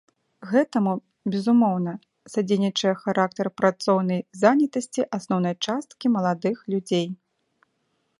Гэтаму, безумоўна, садзейнічае характар працоўнай занятасці асноўнай часткі маладых людзей.